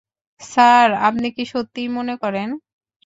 Sir, আপনি কি সত্যিই মনে করেন?